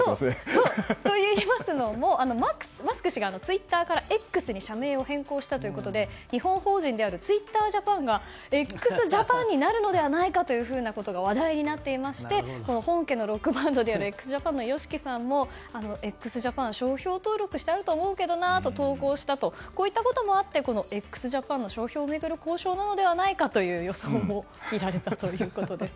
といいますのも、マスク氏がツイッターから「Ｘ」に社名を変更したということで日本法人であるツイッタージャパンがＸＪＡＰＡＮになるのではないかと話題になっていまして本家のロックバンドであるＸＪＡＰＡＮのＹＯＳＨＩＫＩさんもＸＪＡＰＡＮ商標登録してあると思うけどなと投稿したということもあってＸＪＡＰＡＮの商標を巡る交渉なのではないかという予想も見られたということです。